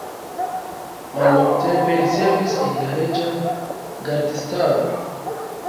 Mallongtempe li servis en la reĝa gardistaro.